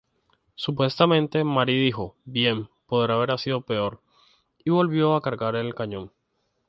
Supuestamente, Mary dijo "Bien, podría haber sido peor," y volvió a cargar el cañón.